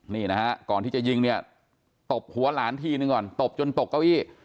นี่นะฮะก่อนที่จะยิงเนี่ยตบหัวหลานทีนึงก่อนตบจนตกเก้าอี้